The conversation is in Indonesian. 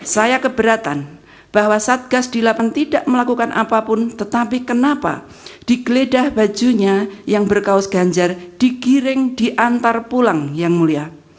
saya keberatan bahwa satgas di lapangan tidak melakukan apapun tetapi kenapa digeledah bajunya yang berkaos ganjar digiring diantar pulang yang mulia